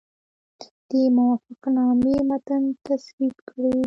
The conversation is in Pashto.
د موافقتنامې متن تسوید کړي.